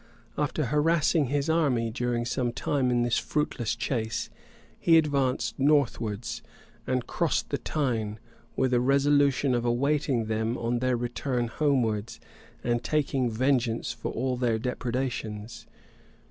After harassing his army during some time in this fruitless chase, he advanced northwards, and crossed the Tyne, with a resolution of awaiting them on their return homewards, and taking vengeance for all their depredations.